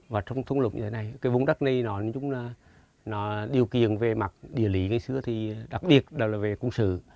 và trong thung lũng như thế này cái vùng đất này nó điều kiện về mặt địa lý ngày xưa thì đặc biệt là về cung sử